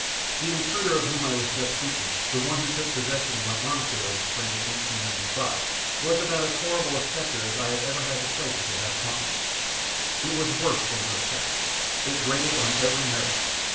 This intruder of whom I was just speaking, the one that took possession of my arm chair in the spring of 1895, was about as horrible a spectre as I have ever had the pleasure to have haunt me. It was worse than grotesque. It grated on every nerve.